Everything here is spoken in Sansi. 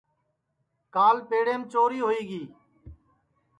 کال پیڑیم چوری ہوئی گی